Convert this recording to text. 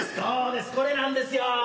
そうですこれなんですよ。